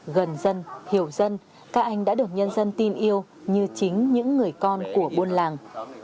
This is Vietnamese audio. gần dân hiểu dân các anh đã được nhân dân tin yêu như chính những người con của buôn làng